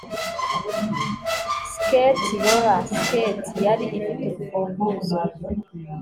skate roller skate yari ifite urufunguzo